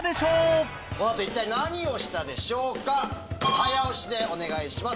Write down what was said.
早押しでお願いします。